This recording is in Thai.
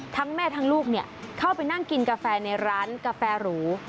แม่ทั้งลูกเข้าไปนั่งกินกาแฟในร้านกาแฟหรู